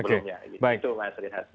itu yang saya sering hati